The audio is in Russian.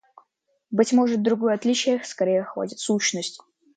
Быть может, другое отличие скорее охватит сущность.